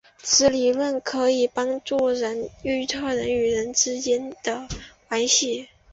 此理论可以帮助预测人与人之间的关系。